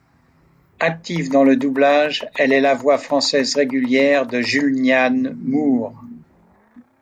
Active dans le doublage, elle est la voix française régulière de Julianne Moore.